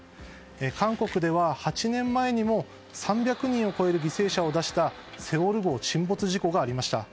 韓国では８年前にも３００人を超える犠牲者を出した「セウォル号」沈没事故がありました。